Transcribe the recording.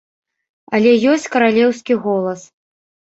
Але ёсць каралеўскі голас.